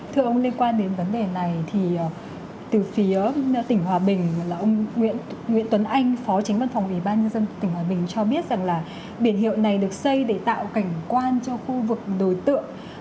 thưa ông liên quan đến vấn đề này thì từ phía tỉnh hòa bình là ông nguyễn tuấn anh phó tránh văn phòng ủy ban nhân dân tỉnh hòa bình cho biết rằng là biển hiệu này được xây để tạo cảnh quan cho khu vực đối tượng